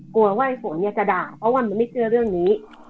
กลัวว่าไอฝนเนี่ยจะด่าเพราะว่ามันไม่เชื่อเรื่องนี้